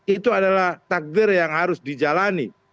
itu adalah takdir yang harus dijalani